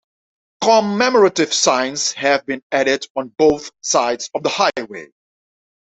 Commemorative signs have been added on both sides of the highway.